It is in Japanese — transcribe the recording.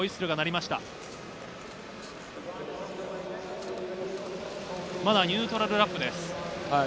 まだニュートラルラップです。